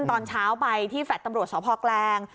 ตอนเช้าไปที่แฟลต์ตำรวจสพแกลง